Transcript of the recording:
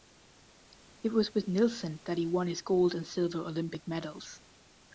It was with Nilsson that he won his gold and silver Olympic medals.